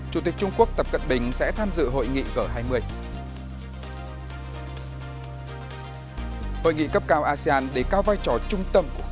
chủ tịch trung quốc tập cận bình sẽ tham dự hội nghị g hai mươi